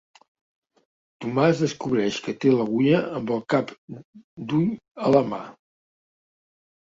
Tomàs descobreix que té l'agulla amb el cap d'ull a la mà.